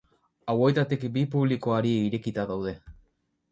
Hauetatik bi publikoari irekita daude.